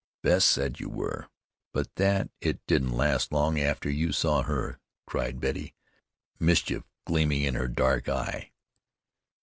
"Bess said you were; but that it didn't last long after you saw her," cried Betty, mischief gleaming in her dark eye.